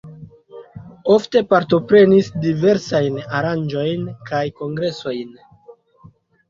Ofte partoprenis diversajn aranĝojn kaj kongresojn.